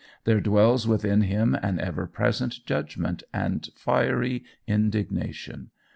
There dwells within him an ever present judgment and fiery indignation.